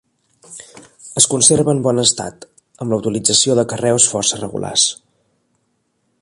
Es conserva en bon estat, amb la utilització de carreus força regulars.